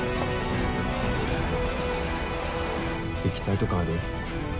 行きたいとこある？